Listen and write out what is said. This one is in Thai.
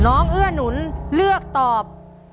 น้องป๋องเลือกเรื่องระยะทางให้พี่เอื้อหนุนขึ้นมาต่อชีวิต